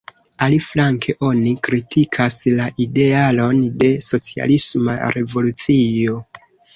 Aliflanke oni kritikas la idealon de socialisma revolucio.